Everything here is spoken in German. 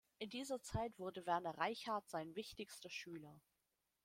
In dieser Zeit wurde Werner Reichardt sein wichtigster Schüler.